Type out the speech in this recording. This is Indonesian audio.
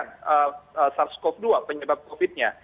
dengan sars cov dua penyebab covid nya